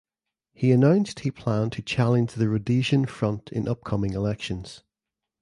He announced he planned to challenge The Rhodesian Front in upcoming elections.